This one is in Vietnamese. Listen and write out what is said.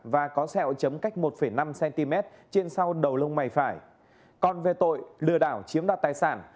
và có sẹo chấm cách một năm cm trên sau đầu lông mày phải còn về tội lừa đảo chiếm đoạt tài sản